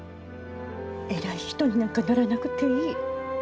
偉い人になんかならなくていい。